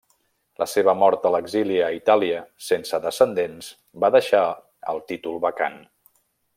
La seva mort a l'exili a Itàlia sense descendents va deixar el títol vacant.